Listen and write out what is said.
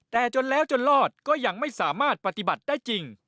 แต่จนแล้วจนรอดก็ยังไม่สามารถปฏิบัติได้จริง